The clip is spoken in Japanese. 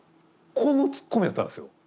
このツッコミやったんですよ。